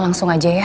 langsung aja ya